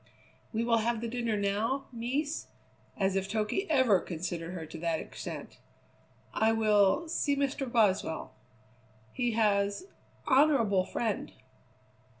"We will have the dinner now, Mees?" as if Toky ever considered her to that extent! "I will see Mr. Boswell." "He has honourable friend."